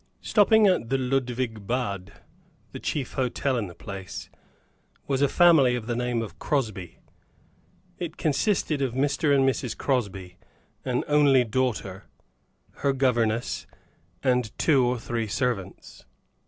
Stopping at the Ludwig Bad, the chief hotel in the place, was a family of the name of Crosby. It consisted of Mr. and Mrs. Crosby, an only daughter, her governess, and two or three servants.